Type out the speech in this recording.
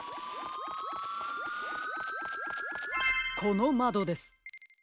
このまどです。